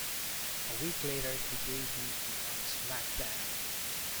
A week later he debuted on SmackDown!